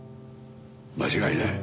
間違いない。